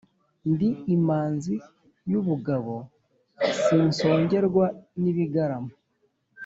Ndi imanzi y’ ubugabo sinsongerwa n’ibigarama.